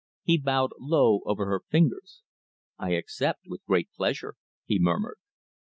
He bowed low over her fingers. "I accept, with great pleasure," he murmured.